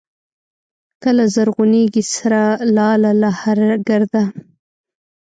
کله زرغونېږي سره لاله له هره ګرده